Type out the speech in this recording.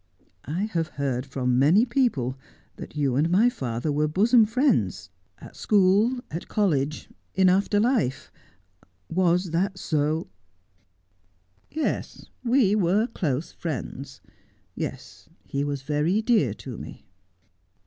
I have heard from many people that you and my father were bosom friends, at school, at college, in after life. Was that so 1 '' Yes, we were close friends. Yes, he was very dear to me.'